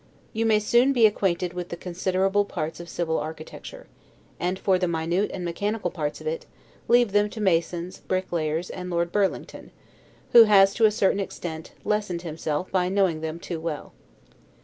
You may soon be acquainted with the considerable parts of civil architecture; and for the minute and mechanical parts of it, leave them to masons, bricklayers, and Lord Burlington, who has, to a certain extent, lessened himself by knowing them too well.